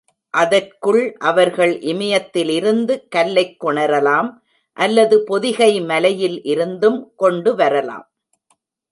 அதற்கு அவர்கள், இமயத்தில் இருந்து கல்லைக் கொணரலாம் அல்லது பொதிகை மலையில் இருந்தும் கொண்டு வரலாம்.